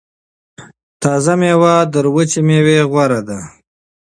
تازه میوه تر وچې میوې غوره ده.